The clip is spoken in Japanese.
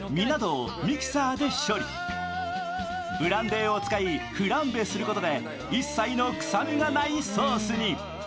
ブランデーを使いフランベすることで一切の臭みがないソースに。